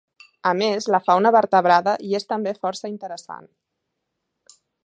A més, la fauna vertebrada hi és també força interessant.